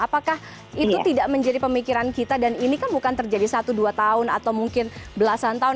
apakah itu tidak menjadi pemikiran kita dan ini kan bukan terjadi satu dua tahun atau mungkin belasan tahun